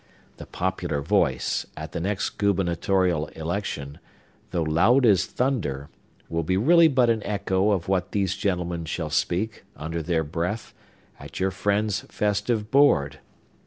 The popular voice, at the next gubernatorial election, though loud as thunder, will be really but an echo of what these gentlemen shall speak, under their breath, at your friend's festive board.